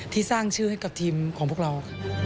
ที่สร้างชื่อให้กับทีมของพวกเรา